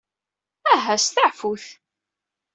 Aha steɛfut.